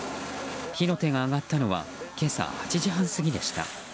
火の手が上がったのは今朝８時半過ぎでした。